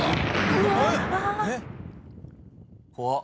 怖っ！